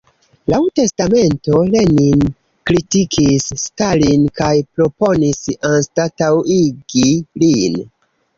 Laŭ testamento, Lenin kritikis Stalin kaj proponis anstataŭigi lin.